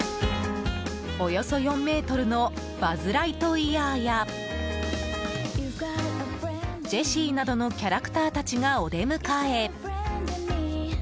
およそ４ｍのバズ・ライトイヤーやジェシーなどのキャラクターたちがお出迎え。